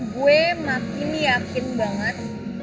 gue makin yakin banget